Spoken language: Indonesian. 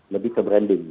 lebih ke branding